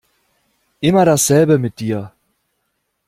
Immer dasselbe mit dir.